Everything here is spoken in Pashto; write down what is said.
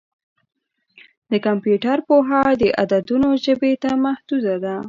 د کمپیوټر پوهه د عددونو ژبې ته محدوده ده.